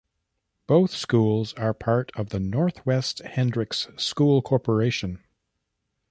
Both schools are part of the North West Hendricks School Corporation.